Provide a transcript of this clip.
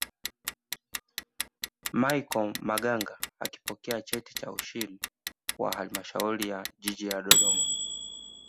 michel maganga akipokea cheti cha ushiri wa halmashauri ya jiji la dodoma